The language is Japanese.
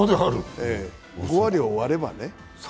５割を割ればね。